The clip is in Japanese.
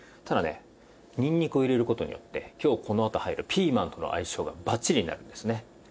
ただにんにくを入れる事によって今日このあと入るピーマンとの相性がバッチリになるんですね。